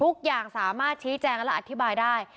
ทุกอย่างสามารถชี้แจงและอธิบายได้